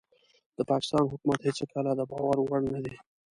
د پاکستان حکومت هيڅکله دباور وړ نه دي